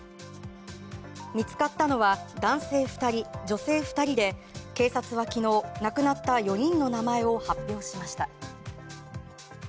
見つかったのは男性２人、女性２人で警察は昨日、亡くなった４人の名前を発表しました。